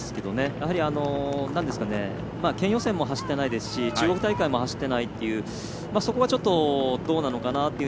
やはり、県予選も走っていないですし中国大会も走ってないというそこがちょっとどうなのかな？という